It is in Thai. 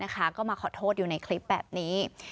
ก็มาขอโทษอยู่ในคลิปแบบนี้